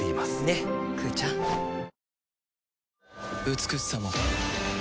美しさも